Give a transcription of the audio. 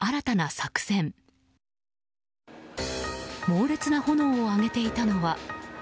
猛烈な炎を上げていたのは。